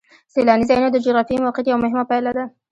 سیلاني ځایونه د جغرافیایي موقیعت یوه مهمه پایله ده.